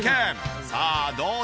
さあどうだ？